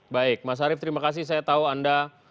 baik mas arief terima kasih saya tahu anda